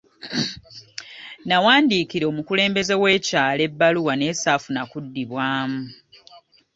Nawandiikira omukulembeze w'ekyalo ebbaluwa naye ssaafuna kuddibwamu.